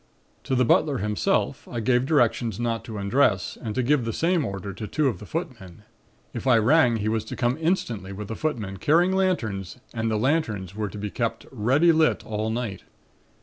"To the butler himself I gave directions not to undress and to give the same order to two of the footmen. If I rang he was to come instantly, with the footmen, carrying lanterns and the lanterns were to be kept ready lit all night.